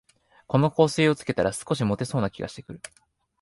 この香水をつけたら、少しもてそうな気がしてくる